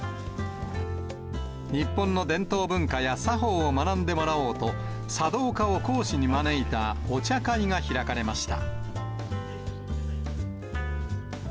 日本の伝統文化や作法を学んでもらおうと、茶道家を講師に招いたお茶会が開かれました。